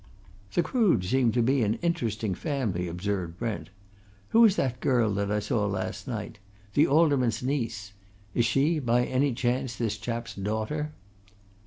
"The Croods seem to be an interesting family," observed Brent. "Who is that girl that I saw last night the Alderman's niece? Is she, by any chance, this chap's daughter?"